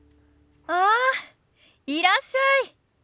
ああいらっしゃい。